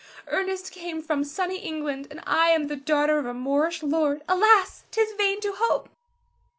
Ernest came from sunny England, and I am the daughter of a Moorish lord. Alas, 'tis vain to hope!